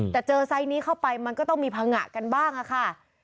แต่เจอไซส์นี้เข้าไปมันก็ต้องมีผงะกันบ้างค่ะ